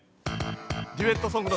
デュエットソングの